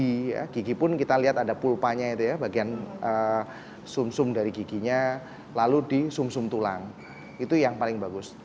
kemudian di kuku atau di gigi ya gigi pun kita lihat ada pulpanya itu ya bagian sum sum dari giginya lalu di sum sum tulang itu yang paling bagus